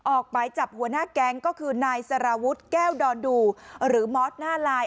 ออกหมายจับหัวหน้าแก๊งก็คือนายสารวุฒิแก้วดอนดูหรือมอสหน้าลาย